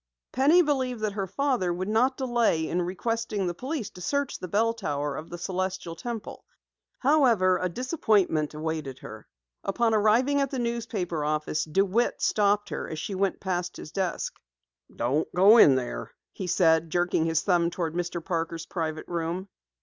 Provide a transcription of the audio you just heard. Penny believed that her father would not delay in requesting police to search the bell tower of the Celestial Temple. However, a disappointment awaited her. Upon arriving at the newspaper office DeWitt stopped her as she went past his desk. "Don't go in there," he said, jerking his thumb toward Mr. Parker's private room.